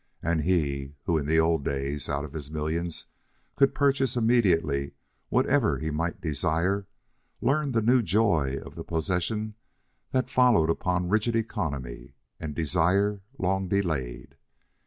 And he, who in the old days, out of his millions, could purchase immediately whatever he might desire, learned the new joy of the possession that follows upon rigid economy and desire long delayed.